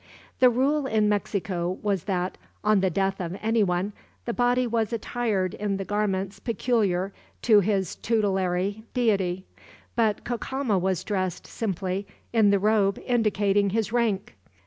The rule in Mexico was that, on the death of anyone, the body was attired in the garments peculiar to his tutelary deity; but Cacama was dressed, simply, in the robe indicating his rank.